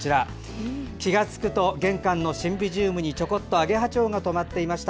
気が付くと、うちの玄関の中のシンビジウムにちょこっとアゲハチョウが止まっていました。